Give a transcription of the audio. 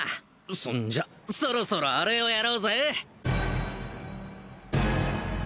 そんじゃそろそろあれをやろうぜ！